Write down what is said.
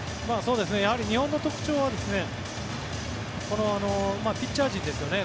やはり日本の特徴はピッチャー陣ですよね。